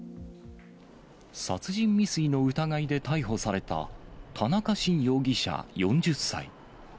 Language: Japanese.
殺人未遂の疑いで逮捕された田中真容疑者４０歳。